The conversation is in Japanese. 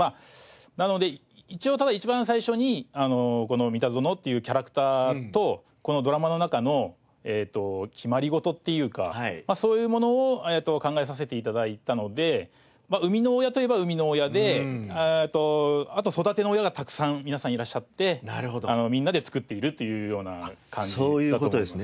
なので一応ただ一番最初にこの三田園っていうキャラクターとこのドラマの中の決まり事っていうかそういうものを考えさせて頂いたので生みの親といえば生みの親であと育ての親がたくさん皆さんいらっしゃってみんなで作っているというような感じだと思います。